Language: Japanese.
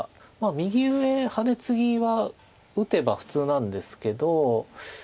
右上ハネツギは打てば普通なんですけど。